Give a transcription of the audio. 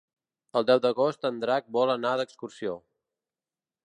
El deu d'agost en Drac vol anar d'excursió.